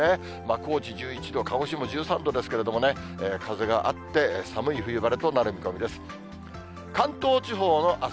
高知１１度、鹿児島１３度ですけれども、風があって、寒い冬晴れとなる見込みです。